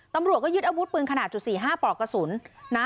ตำรวจก็ยึดอบุตรปืนขนาด๔๕ปลอกกระสุน